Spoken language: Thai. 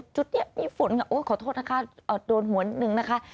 จุดนี้มีฝนขอโทษนะคะโดนหัวนิดนึงนะคะ